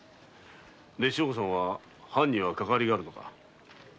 で正吾さんは藩にはかかわりがあるのか？